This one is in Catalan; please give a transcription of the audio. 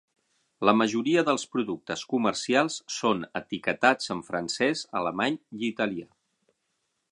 La majoria dels productes comercials són etiquetats en francès, alemany i italià.